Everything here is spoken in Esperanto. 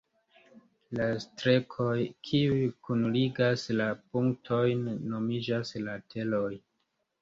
La strekoj, kiuj kunligas la punktojn, nomiĝas lateroj.